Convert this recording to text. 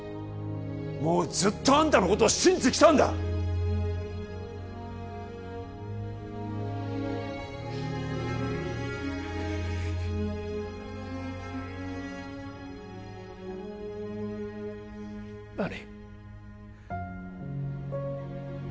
もうずっとあんたのことを信じてきたんだ麻里